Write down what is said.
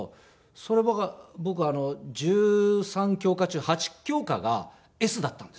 それ僕は１３教科中８教科がＳだったんですよ。